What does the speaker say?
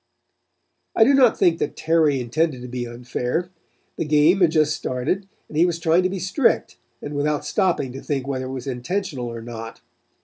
"I do not think that Terry intended to be unfair. The game had just started, and he was trying to be strict, and without stopping to think whether it was intentional or not.